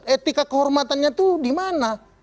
etika kehormatannya itu dimana